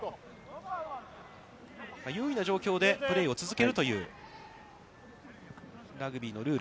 優位な状況でプレーを続けるというラグビーのルール。